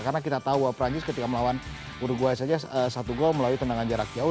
karena kita tahu bahwa francis ketika melawan uruguay saja satu gol melalui tendangan jarak jauh